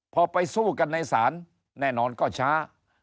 พอไปสู้กันในศาลแน่นอนก็ช้า